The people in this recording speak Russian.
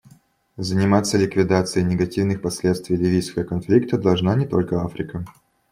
Заниматься ликвидацией негативных последствий ливийского конфликта должна не только Африка.